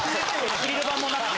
アクリル板もなくて。